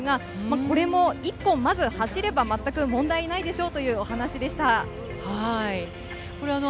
これも一本まず走れば全く問題ないでしょうというお話でした。